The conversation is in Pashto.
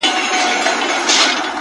ته مي د ښكلي يار تصوير پر مخ گنډلی ـ